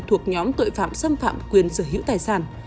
thuộc nhóm tội phạm xâm phạm quyền sở hữu tài sản